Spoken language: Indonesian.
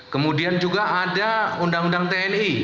kemudian juga ada undang undang tni